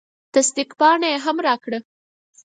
تصدیق پاڼه یې هم راکړه.